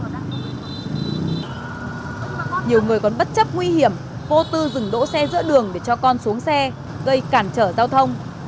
nhiều người còn bất chấp nguy hiểm vô tư dừng đỗ xe giữa đường để cho con xuống xe gây cản trở giao thông